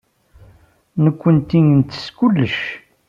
Nekkenti nettess kullec.